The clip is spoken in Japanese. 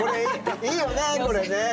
いいよねこれねって。